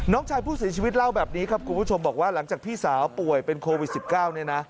น้องชายผู้เสียชีวิตเล่าแบบนี้ครับคุณผู้ชมบอกว่าหลังจากพี่สาวป่วยเป็นโควิด๑๙เนี่ยนะ